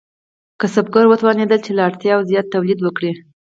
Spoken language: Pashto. کسبګر وتوانیدل چې له اړتیا زیات تولید وکړي.